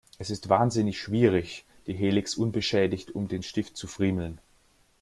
Es ist wahnsinnig schwierig, die Helix unbeschädigt um den Stift zu friemeln.